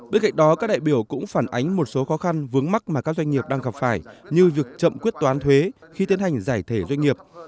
bên cạnh đó các đại biểu cũng phản ánh một số khó khăn vướng mắt mà các doanh nghiệp đang gặp phải như việc chậm quyết toán thuế khi tiến hành giải thể doanh nghiệp